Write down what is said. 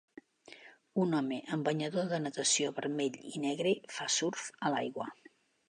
Un home amb banyador de natació vermell i negre fa surf a l'aigua.